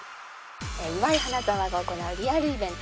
岩井花澤が行うリアルイベント